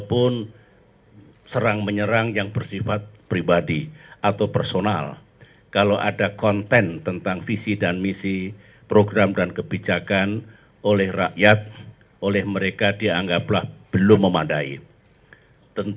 penwi matahari banicang azadi yang menginginkan tentu kesempatan